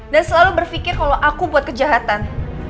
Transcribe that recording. dan selalu berpikir kalau aku buat kejahatan